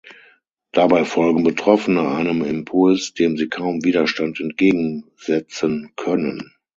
Dabei folgen Betroffene einem Impuls, dem sie kaum Widerstand entgegensetzen können.